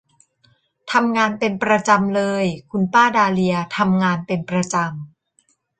ทำงานเป็นประจำเลย คุณป้าดาเลียทำงานเป็นประจำ